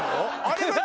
あれ。